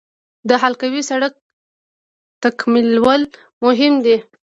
د حلقوي سړک تکمیلول مهم دي